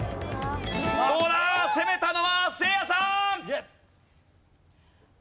どうだ攻めたのはせいやさん！